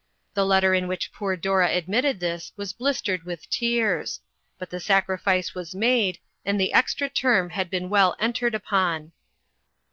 The letter in which poor Dora admitted this was blistered 42O INTERRUPTED. with tears ; but the sacrifice was made, and the extra term had been well entered upon.